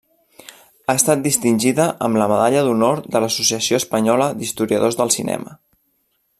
Ha estat distingida amb la medalla d'honor de l'Associació Espanyola d'Historiadors del Cinema.